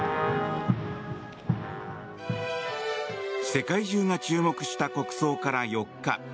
世界中が注目した国葬から４日。